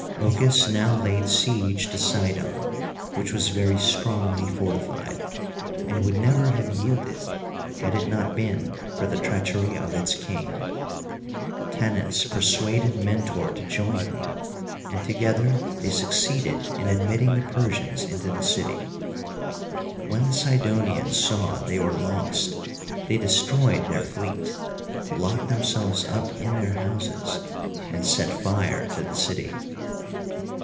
Ochus now laid siege to Sidon, which was very strongly fortified, and would never have yielded had it not been for the treachery of its king. Tennes persuaded Mentor to join him, and together they succeeded in admitting the Persians into the city. When the Sidonians saw they were lost they destroyed their fleet, locked themselves up in their houses, and set fire to the city.